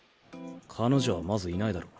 彼女はまずいないだろ。